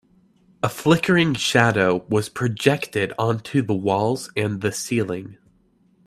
A flickering shadow was projected onto the walls and the ceiling.